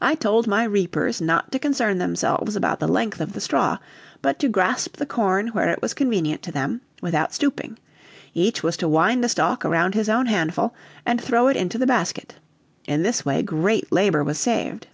I told my reapers not to concern themselves about the length of the straw, but to grasp the corn where it was convenient to them, without stooping; each was to wind a stalk around his own handful, and throw it into the basket; in this way great labor was saved.